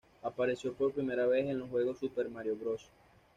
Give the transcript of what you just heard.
Apareció por primera vez en el juego "Super Mario Bros.